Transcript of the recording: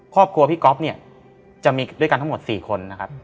ครอบครัวพี่ก๊อฟเนี่ยจะมีด้วยกันทั้งหมด๔คนนะครับ